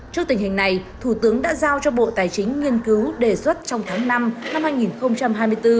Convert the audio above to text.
trước tình hình này thủ tướng đã giao cho bộ tài chính nghiên cứu đề xuất trong tháng năm năm hai nghìn hai mươi bốn